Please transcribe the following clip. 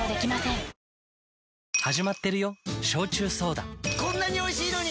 絶対にこんなにおいしいのに。